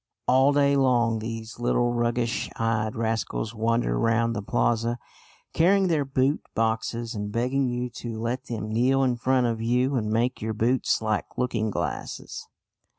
All day long these little roguish eyed rascals wander round the plaza carrying their boot boxes and begging you to let them kneel in front of you and make your boots like looking glasses.